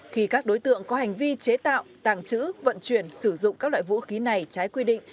khi các đối tượng có hành vi chế tạo tàng trữ vận chuyển sử dụng các loại vũ khí này trái quy định